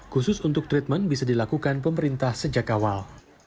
khusus untuk treatment bisa dilakukan pemerintah sejak awal